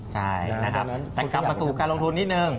ใช่แต่กลับมาสู่การลงทุนนิดหนึ่ง